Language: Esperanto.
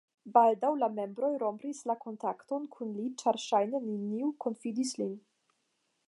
Baldaŭ la membroj rompis la kontakton kun li ĉar ŝajne neniu konfidis lin.